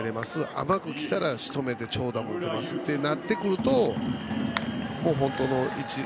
甘く来たら、しとめて長打も打てますとなってくると本当の一流。